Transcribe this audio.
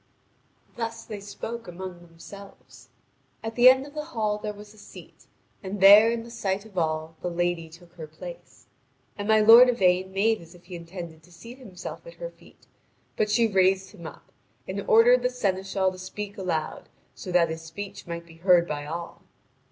Thus they spoke among themselves. At the end of the hall there was a seat, and there in the sight of all the lady took her place. And my lord Yvain made as if he intended to seat himself at her feet; but she raised him up, and ordered the seneschal to speak aloud, so that his speech might be heard by all.